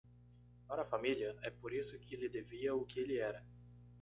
Para a família, é por isso que lhe devia o que ele era.